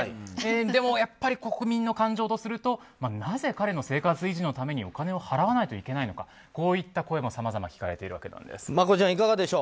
でもやっぱり国民の感情とするとなぜ彼の生活維持のためにお金を払わないといけないのかこういった声もさまざま聞かれているわけなんです。